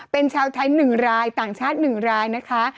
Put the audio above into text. เป็นชาวไทย๑รายต่างชาติ๑รายนะคะ